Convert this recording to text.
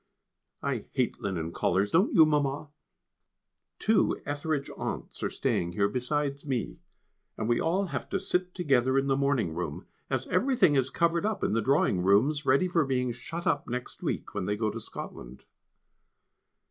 I hate linen collars, don't you, Mamma? Two Ethridge aunts are staying here besides me, and we all have to sit together in the morning room, as everything is covered up in the drawing rooms, ready for being shut up next week, when they go to Scotland.